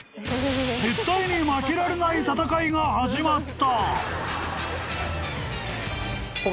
［絶対に負けられない戦いが始まった］